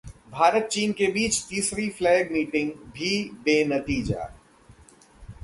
भारत, चीन के बीच तीसरी फ्लैग मीटिंग भी बेनतीजा